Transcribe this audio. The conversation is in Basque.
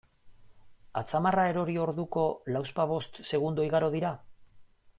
Atzamarra erori orduko, lauzpabost segundo igaro dira?